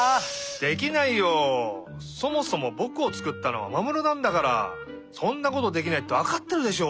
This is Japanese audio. そもそもぼくをつくったのはマモルなんだからそんなことできないってわかってるでしょ！